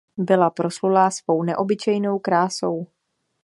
Byla proslulá svou neobyčejnou krásou.